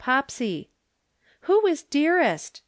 POPSY.' "'Who is "dearest"?'